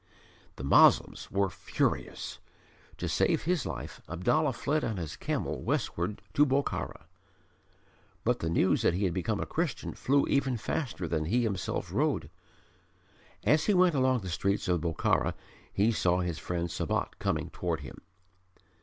The Moslems were furious. To save his life Abdallah fled on his camel westward to Bokhara. But the news that he had become a Christian flew even faster than he himself rode. As he went along the streets of Bokhara he saw his friend Sabat coming toward him.